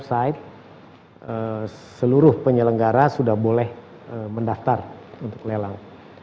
site seluruh penyelenggara sudah boleh mendaftar untuk lelang